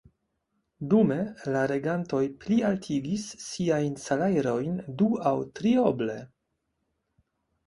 Dume la regantoj plialtigis siajn salajrojn du- aŭ trioble!